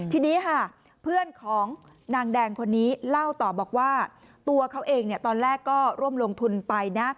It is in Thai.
ทีนี้ค่ะเพื่อนของนางแดงคนนี้เล่าต่อบอกว่าตัวเขาเองตอนแรกก็ร่วมลงทุนไปนะ